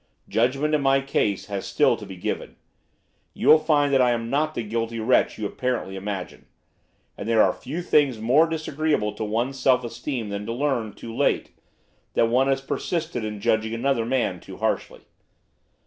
Judgment in my case has still to be given. You will find that I am not the guilty wretch you apparently imagine. And there are few things more disagreeable to one's self esteem than to learn, too late, that one has persisted in judging another man too harshly.